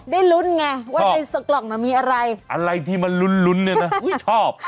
ได้ลุ้นไงว่าในสกล่องน่ะมีอะไรอะไรที่มันลุ้นเนี่ยนะชอบ